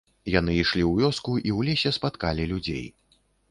Яны ішлі ў вёску і ў лесе спаткалі людзей.